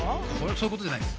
そういうことじゃないです。